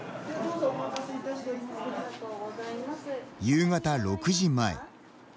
夕方６時前。